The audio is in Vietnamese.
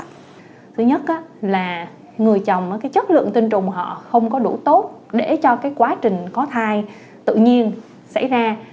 thứ nhất là người chồng chất lượng tinh trùng họ không có đủ tốt để cho cái quá trình có thai tự nhiên xảy ra